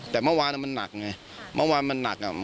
แต่เมื่อวานมันหนักไงเมื่อวานมันหนักอ่ะ